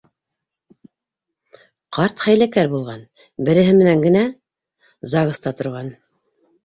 Ҡарт хәйләкәр булған, береһе менән генә ЗАГСта торған.